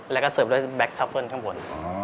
แล้วก็เสิร์ฟด้วยแบ็คช็อปเฟิลข้างบน